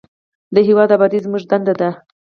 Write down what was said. د هیواد ابادي زموږ دنده ده